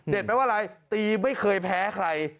เด็ดแปลว่าไรตีไม่เคยแพ้ใคร